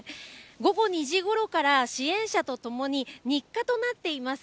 午後２時ごろから、支援者と共に、日課となっています